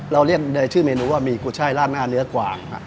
เราเรียกชื่อเมนูว่ามีกุช่ายราดหน้าเนื้อกว่าง